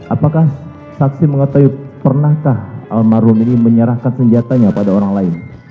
apakah saksi mengetahui pernahkah almarhum ini menyerahkan senjatanya pada orang lain